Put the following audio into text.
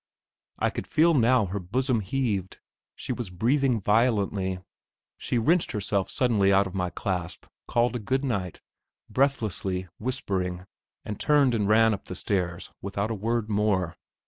I could feel how her bosom heaved; she was breathing violently. She wrenched herself suddenly out of my clasp, called a good night, breathlessly, whispering, and turned and ran up the stairs without a word more....